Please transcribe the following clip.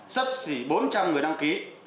sắp xỉ bốn trăm linh người đăng ký